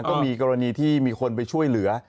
ก็มีกรณีที่มีคนไปช่วยเหลือ